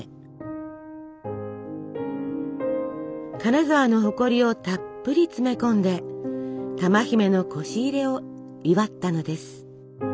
金沢の誇りをたっぷり詰め込んで珠姫のこし入れを祝ったのです。